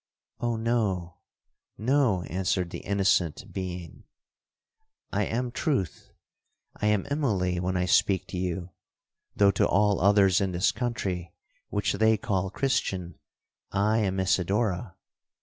'—'Oh no!—no!' answered the innocent being; 'I am truth. I am Immalee when I speak to you,—though to all others in this country, which they call Christian, I am Isidora.